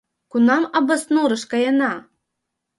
— Кунам Абаснурыш каена?